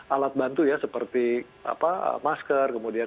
alat bantu ya seperti masker kemudian